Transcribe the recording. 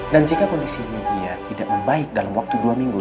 dan jika kondisinya dia tidak baik dalam waktu dua minggu